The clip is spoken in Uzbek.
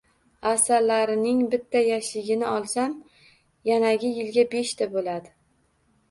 Asalarining bitta yashigini olsam, yanagi yilga beshta bo‘ladi.